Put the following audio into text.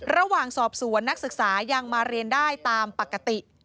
ระหว่างสอบสวนนักศึกษายังมาเรียนได้ตามปกติ